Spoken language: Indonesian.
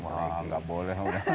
wah nggak boleh